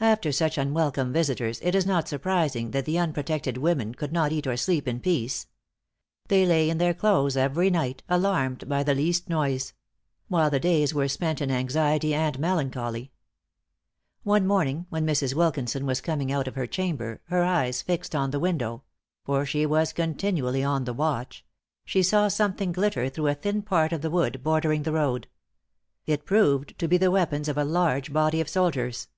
After such unwelcome visitors, it is not surprising that the unprotected women could not eat or sleep in peace. They lay in their clothes every night, alarmed by the least noise; while the days were spent in anxiety and melancholy. One morning, when Mrs. Wilkinson was coming out of her chamber, her eyes fixed on the window for she was continually on the watch she saw something glitter through a thin part of the wood bordering the road. It proved to be the weapons of a large body of soldiers.